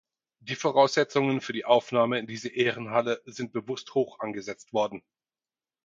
Die Voraussetzungen für die Aufnahme in diese Ehrenhalle sind bewusst hoch angesetzt worden.